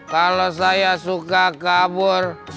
kalau saya suka kabur